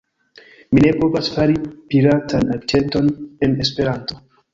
Mi ne povas fari piratan akĉenton en Esperanto